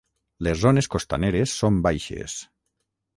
Les zones costaneres són baixes.